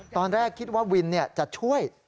ตอนแรกคิดว่าวินจะช่วย